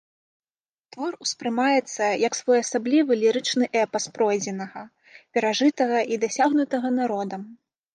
Твор успрымаецца як своеасаблівы лірычны эпас пройдзенага, перажытага і дасягнутага народам.